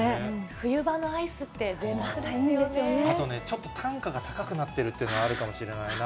冬場のアイスってぜいたくであとね、ちょっと単価が高くなってるっていうのがあるかもしれないな。